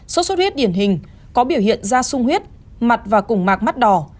sốt huyết điển hình có biểu hiện da sung huyết mặt và củng mạc mắt đỏ